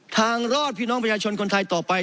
ทางรอดพี่น้องประชาชนคนไทยต่อไป